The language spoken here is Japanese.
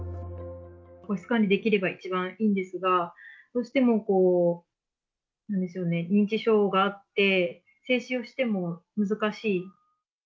個室管理できれば一番いいんですが、どうしても認知症があって、制止をしても難しい。